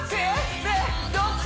どっち？